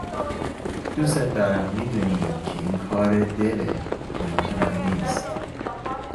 دوست دارم میدونی که این کار دله گناه من نیست